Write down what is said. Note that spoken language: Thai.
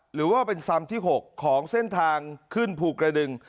หรือว่าเป็นซำที่๖ของเส้นทางขึ้นภูกระดึง